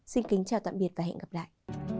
xin kính chào tạm biệt và hẹn gặp lại